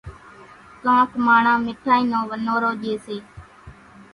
ڪانڪ ماڻۿان مِٺائِي نو ونورو ڄيَ سي۔